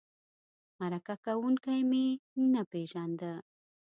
مرکه کوونکی مې نه پېژنده.